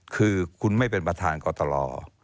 คือคุณไม่เป็นประธานกรตล